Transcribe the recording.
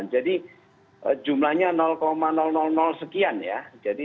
jadi jumlahnya sekian ya